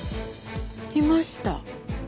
いました。